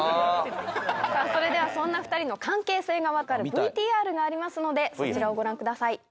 さあそれではそんな２人の関係性がわかるＶＴＲがありますのでそちらをご覧ください。